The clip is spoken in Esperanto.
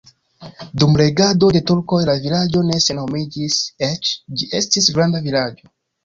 Dum regado de turkoj la vilaĝo ne senhomiĝis, eĉ ĝi estis granda vilaĝo.